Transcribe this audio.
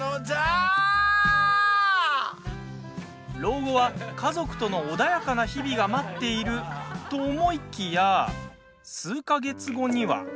老後は家族との穏やかな日々が待っていると思いきや数か月後には。